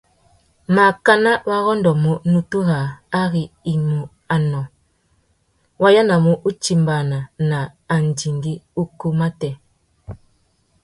Makana wa rôndômú nutu râā ari i mú anô, wa yānamú utimbāna na andigüî ukú matê.